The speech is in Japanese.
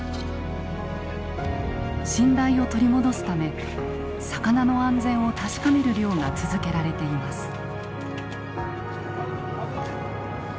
信頼を取り戻すため魚の安全を確かめる漁が続けられています。